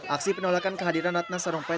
aksi penolakan kehadiran ratna sarumpait